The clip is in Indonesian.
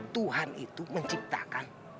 tuhan itu menciptakan